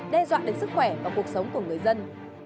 đe dọa đến sức khỏe và cuộc sống của người dân